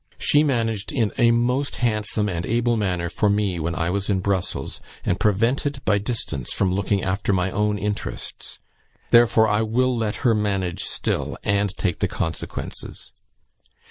She managed in a most handsome and able manner for me, when I was in Brussels, and prevented by distance from looking after my own interests; therefore, I will let her manage still, and take the consequences.